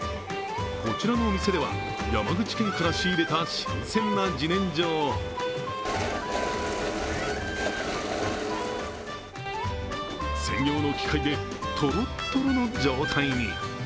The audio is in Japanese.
こちらのお店では、山口県から仕入れた新鮮な自然薯を専用の機械でトロットロの状態に。